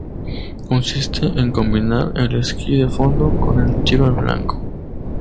Consiste en combinar el esquí de fondo con el tiro al blanco.